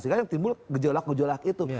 sehingga yang timbul gejolak gejolak itu